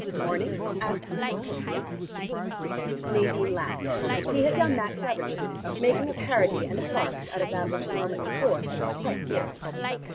"Morning?" asked Seymour hopefully. Nadine laughed: he had done that cleverly, making a parody and a farce out of that which a moment before had been quite serious.